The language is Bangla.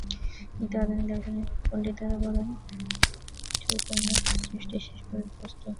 কিন্তু আধুনিক দার্শনিক পণ্ডিতেরা বলেন, চৈতন্য সৃষ্টির শেষ বস্তু।